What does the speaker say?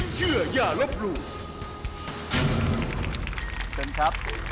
เชิญครับ